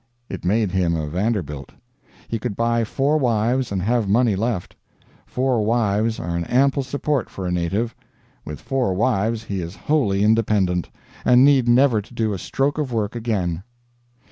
It made him a Vanderbilt. He could buy four wives, and have money left. Four wives are an ample support for a native. With four wives he is wholly independent, and need never do a stroke of work again.